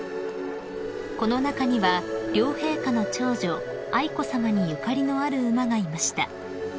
［この中には両陛下の長女愛子さまにゆかりのある馬がいました］